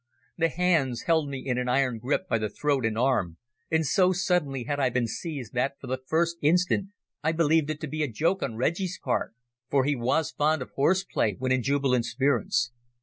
The hands held me in an iron grip by the throat and arm, and so suddenly had I been seized that for the first instant I believed it to be a joke on Reggie's part for he was fond of horseplay when in jubilant spirits.